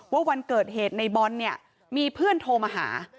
ว่าวันเกิดเหตุนายบอลมีเพื่อนโทรมาหา